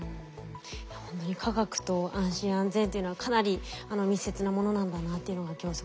いやほんとに科学と安心安全っていうのはかなり密接なものなんだなっていうのが今日すごく分かりました。